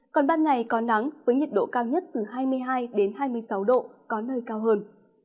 còn ban ngày có nắng với nhiệt độ cao nhất từ hai mươi hai hai mươi sáu độ có nơi cao hơn